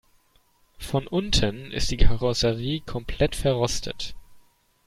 Von unten ist die Karosserie komplett verrostet.